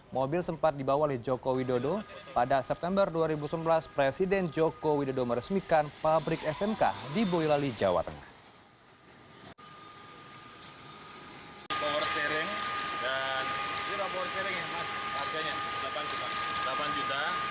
mobil sempat dibawa oleh joko widodo pada september dua ribu sebelas presiden joko widodo meresmikan pabrik smk di boyolali jawa tengah